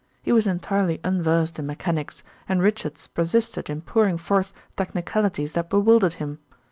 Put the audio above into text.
He was entirely unversed in mechanics, and Richards persisted in pouring forth technicalities that bewildered him.